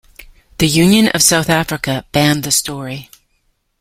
The Union of South Africa banned the story.